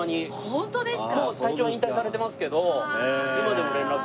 ホントですね。